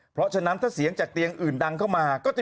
ประตูมันรีเซ็ตไป